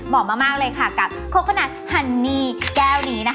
มอบมากเลยค่ะกับโคโคโนัทฮันนี่